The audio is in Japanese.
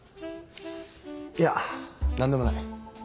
いや何でもない。